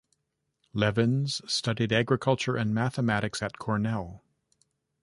Levins studied agriculture and mathematics at Cornell.